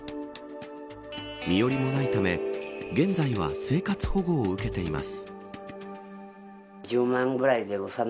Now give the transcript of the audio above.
身寄りもないため現在は生活保護を受けています。